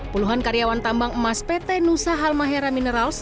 puluhan karyawan tambang emas pt nusa halmahera minerals